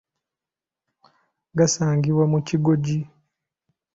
Gasangibwa mu kigoji.